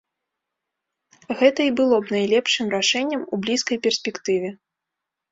Гэта і было б найлепшым рашэннем у блізкай перспектыве.